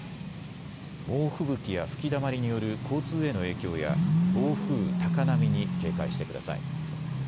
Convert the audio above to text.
猛吹雪や吹きだまりによる交通への影響や暴風、高波に警戒してください。